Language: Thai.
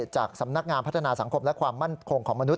จากสำนักงานพัฒนาสังคมและความมั่นคงของมนุษ